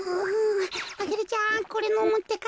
アゲルちゃんこれのむってか。